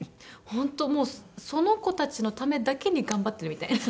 本当もうその子たちのためだけに頑張ってるみたいな。